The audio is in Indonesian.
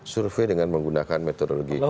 survei dengan menggunakan metodologi